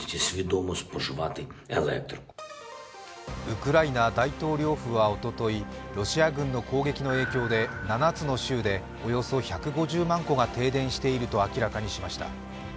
ウクライナ大統領府はおととい、ロシア軍の攻撃の影響で７つの州でおよそ１５０万戸が停電していると明らかにしました。